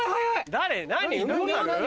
誰？